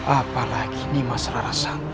apalagi ini mas rara santa